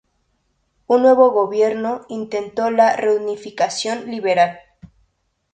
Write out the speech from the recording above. El nuevo gobernador intentó la reunificación liberal.